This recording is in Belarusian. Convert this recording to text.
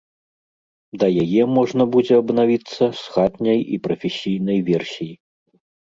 Да яе можна будзе абнавіцца з хатняй і прафесійнай версій.